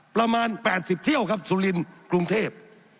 ประมาณ๘๐เที่ยวครับสุรินทร์กรุงเทพ